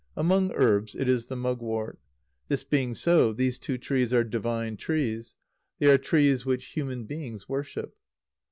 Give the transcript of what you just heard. Among herbs, it is the mugwort. This being so, these two trees are divine trees; they are trees which human beings worship.